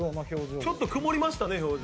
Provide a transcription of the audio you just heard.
ちょっと曇りましたね表情。